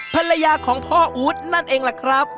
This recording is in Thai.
ภรรยาของพ่ออู๊ดนั่นเองล่ะครับ